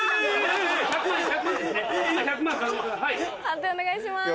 判定お願いします。